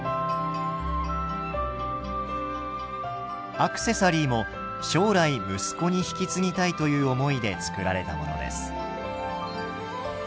アクセサリーも将来息子に引き継ぎたいという思いで作られたものです。